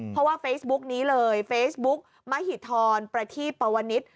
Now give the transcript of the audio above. เพราะว่าเฟซบุ๊กนี้เลยเฟซบุ๊กมหิธรประทีปวนิษฐ์